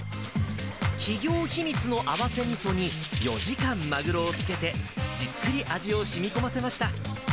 企業秘密の合わせみそに４時間マグロを漬けて、じっくり味をしみこませました。